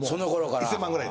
１０００万ぐらい。